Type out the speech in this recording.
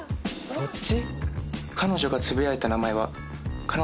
そっち？